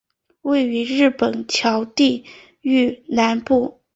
位于日本桥地域南部。